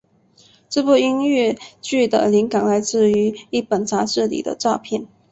这部音乐剧的灵感来自于一本杂志里的照片。